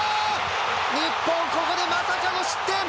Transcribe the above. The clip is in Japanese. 日本、ここでまさかの失点。